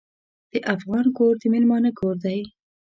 د افغان کور د میلمانه کور دی.